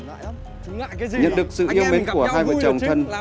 nhận được sự yêu mến của hai vợ chồng thân